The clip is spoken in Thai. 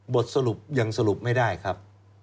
บทสรุปยังสรุปไม่ได้ครับ